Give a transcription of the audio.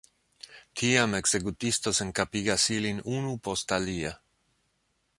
Tiam ekzekutisto senkapigas ilin unu post alia.